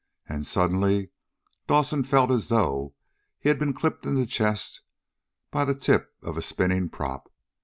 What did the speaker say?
And suddenly Dawson felt as though he had been clipped in the chest by the tip of a spinning prop.